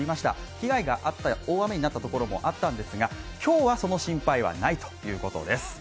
被害があった大雨になったところもあったんですが、今日はその心配はないということです。